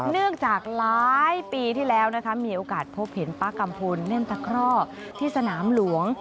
เนื่องจากหลายปีที่แล้วนะคะมีโอกาสพบเห็นป้ากัมพลเล่นตะคร่อที่สนามหลวง